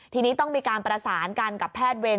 ทีนี้ต้องมีการประสานกันกับแพทย์เวร